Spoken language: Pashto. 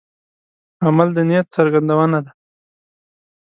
عمل د نیت څرګندونه ده.